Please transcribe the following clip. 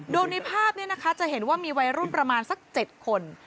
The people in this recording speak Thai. โดยในภาพนี้นะคะจะเห็นว่ามีวัยรุ่นประมาณสัก๗คน